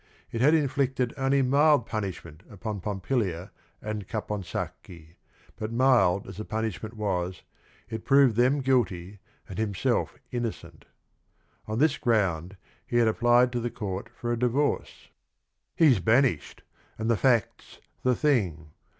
It had inflicted only mild punish ment upon Pompilia a nd Caponsacchi. but mild as th e punishment was it proved them guilty and himself innocent. On tbis_groJLLnd he had applied to the court for a divor ce. "He 's banished, and the fact 's the thing.